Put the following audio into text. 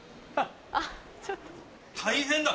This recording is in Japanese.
大変だ！